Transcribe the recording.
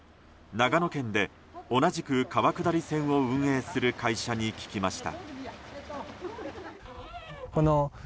長野県で同じく川下り船を運営する会社に聞きました。